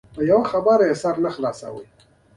چوکۍ د لمونځ کوونکو لپاره هم وي.